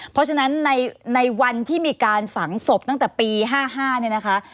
เพราะฉะนั้นในวันที่มีการฝังศพตั้งแต่ปี๕๕เนี่ยนะคะ